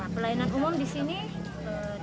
pelayanan umum di sini